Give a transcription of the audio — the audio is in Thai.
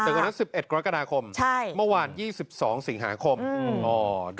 แต่วันนั้น๑๑กรกฎาคมมันวัน๒๒สิงหาคมอืมอ๋อเด็ก